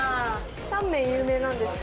タンメン有名なんですか？